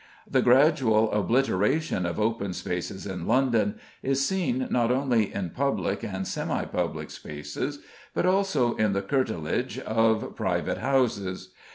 The gradual obliteration of open spaces in London is seen not only in public and semi public spaces, but also in the curtilage of private houses.